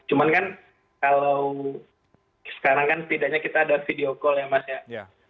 cuman kan kalau sekarang kan setidaknya kita ada video call ya mas ya